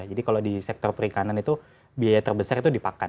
jadi kalau di sektor perikanan itu biaya terbesar itu dipakan